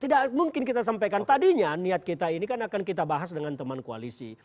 tidak mungkin kita sampaikan tadinya niat kita ini kan akan kita bahas dengan teman koalisi